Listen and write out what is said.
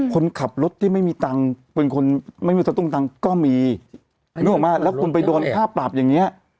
คนขับรถที่ไม่มีตังค์เป็นคนไม่มีตัวตรงตังค์ก็มีแล้วคุณไปโดนค่าปรับอย่างนี้